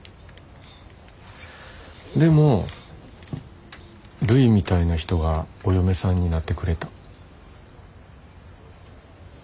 でもるいみたいな人がお嫁さんになってくれた。